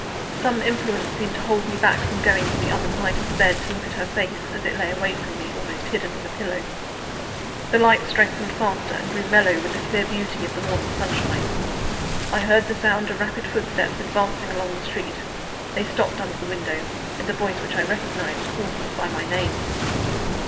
Some influence seemed to hold me back from going to the other side of the bed, to look at her face, as it lay away from me, almost hidden in the pillow. The light strengthened faster, and grew mellow with the clear beauty of the morning sunshine. I heard the sound of rapid footsteps advancing along the street; they stopped under the window: and a voice which I recognized, called me by my name.